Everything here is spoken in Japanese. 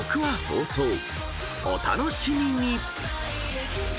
［お楽しみに！］